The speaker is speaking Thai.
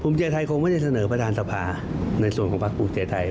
ใจไทยคงไม่ได้เสนอประธานสภาในส่วนของภาคภูมิใจไทย